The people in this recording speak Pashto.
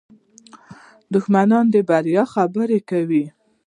دښمنۍ بربادۍ خبرې کولې